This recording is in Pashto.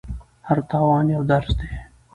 هر تاوان یو درس دی.